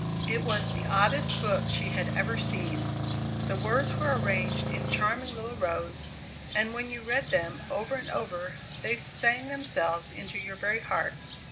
It was the oddest book she had ever seen. The words were arranged in charming little rows, and when you read them over and over they sang themselves into your very heart.